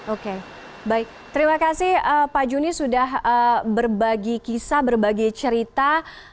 oke baik terima kasih pak juni sudah berbagi kisah berbagi cerita